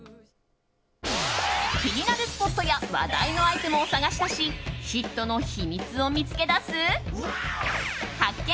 気になるスポットや話題のアイテムを探し出しヒットの秘密を見つけ出す発見！